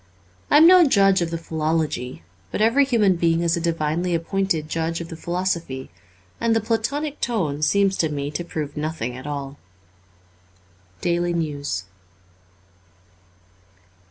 I am no judge of the philology, but every human being is a divinely appointed judge of the philosophy : and the Platonic tone seems to me to prove nothing at all. * Daily News.